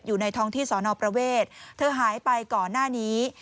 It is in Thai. อยู่ในท้องที่สอนอประเวทเธอหายไปก่อนหน้านี้